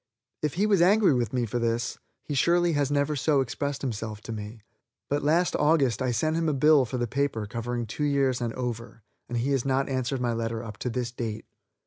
If he was angry with me for this, he surely has never so expressed himself to me, but last August I sent him a bill for his paper covering two years and over, and he has not answered my letter up to this date.